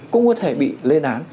cũng có thể bị lên án